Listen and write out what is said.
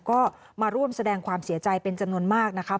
ก็มาร่วมแสดงความเสียใจเป็นจำนวนมากนะคะ